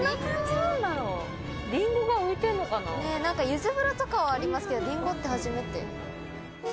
ゆず風呂とかはありますけどりんごって初めて。